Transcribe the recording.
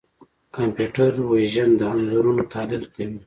کمپیوټر وژن د انځورونو تحلیل کوي.